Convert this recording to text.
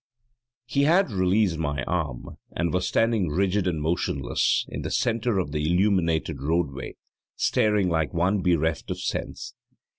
< 3 > He had released my arm and was standing rigid and motionless in the centre of the illuminated roadway, staring like one bereft of sense.